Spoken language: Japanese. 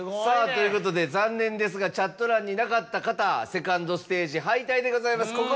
さぁということで残念ですがチャット欄になかった方２ｎｄステージ敗退でございます。